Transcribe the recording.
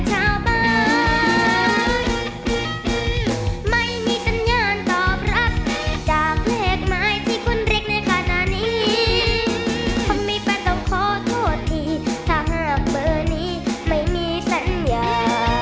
คงไม่เป็นต้องขอโทษทีถ้าหากเบอร์นี้ไม่มีสัญญา